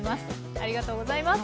ありがとうございます。